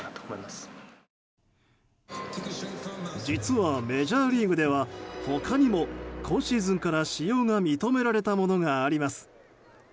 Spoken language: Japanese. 実はメジャーリーグでは他にも今シーズンから使用が認められたものがあります。